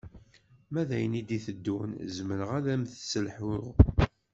Ma d ayen i d-iteddun zemreɣ ad am-tesselhuɣ